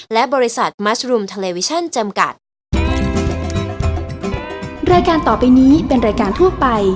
และบริษัทมัสรุมทะเลวิชั่นจำกัดรายการต่อไปนี้เป็นรายการทั่วไป